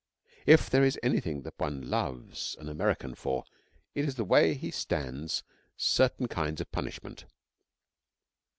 If there is anything that one loves an American for it is the way he stands certain kinds of punishment.